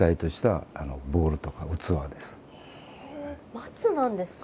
松なんですか？